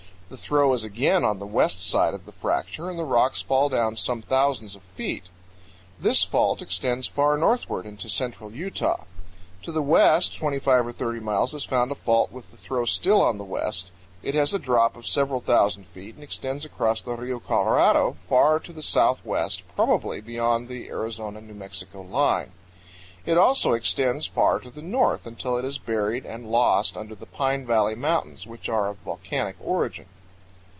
The throw is again on the west side of the fracture and the rocks fall down some thousands of feet. This fault extends far northward into central Utah. To the west 25 or 30 miles is found a fault with the throw still on the west. It has a drop of several thousand feet and extends across the Rio Colorado far to 94 CANYONS OF THE COLORADO. the southwest, probably beyond the Arizona New Mexico line. It also extends far to the north, until it is buried and lost under the Pine Valley Mountains, which are of volcanic origin.